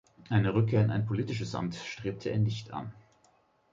Eine Rückkehr in ein politisches Amt strebte er nicht an.